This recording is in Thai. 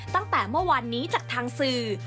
ตั้งแต่เมื่อวานนี้จากทางสื่อ